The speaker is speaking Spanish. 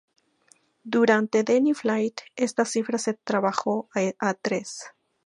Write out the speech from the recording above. Durante "Deny Flight", esta cifra se rebajó a tres.